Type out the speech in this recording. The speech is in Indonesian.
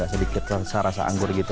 sedikit rasa rasa anggur gitu